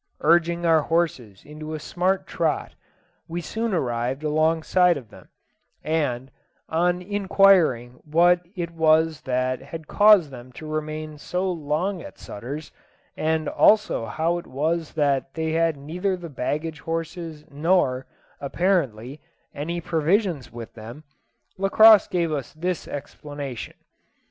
Urging our horses into a smart trot, we soon arrived alongside of them; and, on inquiring what it was that had caused them to remain so long at Sutter's, and also how it was that they had neither the baggage horses nor, apparently, any provisions with them, Lacosse gave us this explanation.